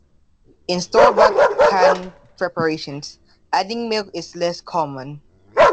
In store-bought canned preparations, adding milk is less common.